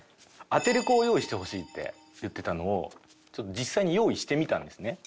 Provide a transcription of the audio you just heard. アテレコを用意してほしいって言ってたのを実際に用意してみたんですね。